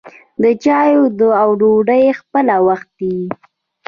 د چايو او ډوډۍ خپله وخت يي.